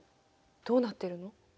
どうなっているの？